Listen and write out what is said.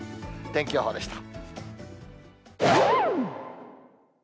天気予報でした。